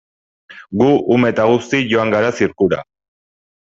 Gu ume eta guzti joan gara zirkura.